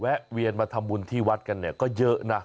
แวนมาทำบุญที่วัดกันเนี่ยก็เยอะนะ